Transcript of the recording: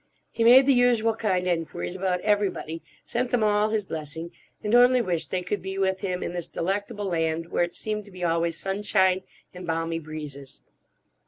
He made the usual kind enquiries about everybody, sent them all his blessing, and only wished they could be with him in this delectable land where it seemed to be always sunshine and balmy breezes.